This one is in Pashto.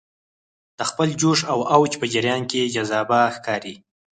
د خپل جوش او اوج په جریان کې جذابه ښکاري.